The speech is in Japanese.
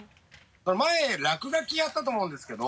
前落書きやったと思うんですけど。